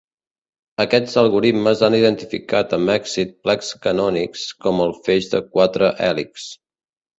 Aquests algoritmes han identificat amb èxit plecs canònics com el feix de quatre hèlixs.